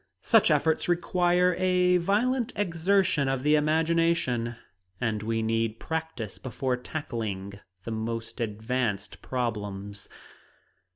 Such efforts require a violent exertion of the imagination, and we need practice before tackling the more advanced problems.